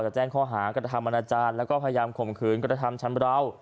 ก็จะแจ้งข้อหากฎธรรมอาณาจารย์แล้วก็พยายามข่มขืนกฎธรรมชั้นบราว